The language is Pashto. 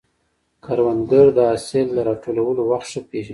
کروندګر د حاصل د راټولولو وخت ښه پېژني